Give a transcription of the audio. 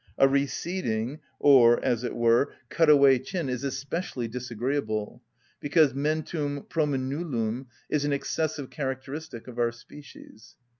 A receding or, as it were, cut‐away chin is especially disagreeable, because mentum prominulum is an exclusive characteristic of our species.